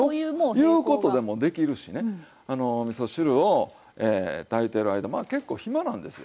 いうことでもできるしねみそ汁を炊いてる間まあ結構暇なんですよ。